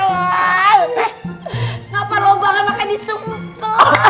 ngapain lo banget makan di sumber kok